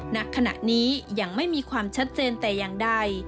ณขณะนี้ยังไม่มีความชัดเจนแต่อย่างใด